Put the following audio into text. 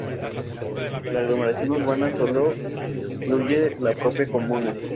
La aglomeración urbana sólo incluye la propia comuna.